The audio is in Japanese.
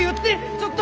ちょっと！